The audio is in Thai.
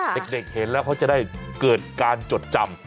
เด็กเห็นแล้วเขาจะได้เกิดการจดจำ